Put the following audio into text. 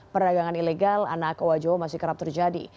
perdagangan ilegal anak owa jawa masih kerap terjadi